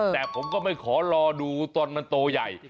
แต่ผมก็ไม่ขอรอดูตอนมันโตใหญ่